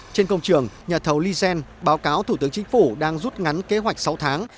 trên công trường nhà thầu lysen báo cáo thủ tướng chính phủ đang rút ngắn kế hoạch sáu tháng